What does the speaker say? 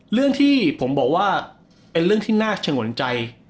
เรื่องที่ผมบอกว่าเป็นเรื่องที่น่าชะงนใจ